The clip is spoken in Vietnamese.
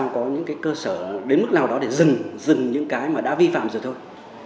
có những cơ sở đến mức nào đó để dừng những cái đã vi phạm rồi thôi